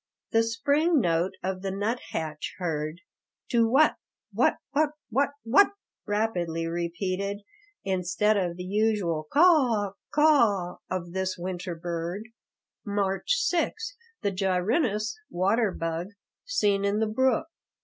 The spring note of the nut hatch heard: To what, what, what, what, what, rapidly repeated, instead of the usual quah quah of this winter bird. March 6 The gyrinus (water bug) seen in the brook.